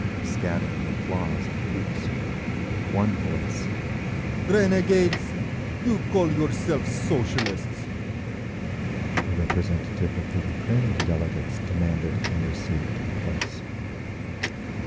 Scattering applause and hoots. One voice, "Renegades, you call yourselves Socialists!" A representative of the Ukrainean delegates demanded, and received, a place.